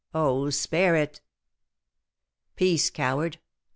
Oh, spare it!" "Peace, coward!